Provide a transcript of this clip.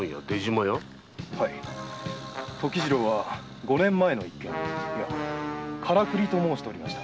時次郎は五年前の一件いや「カラクリ」と申しておりました。